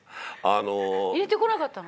入れてこなかったの？